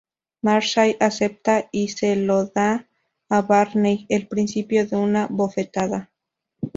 Marshall acepta y se lo da a Barney: el principio de una bofetada.